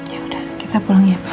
yaudah kita pulang ya pa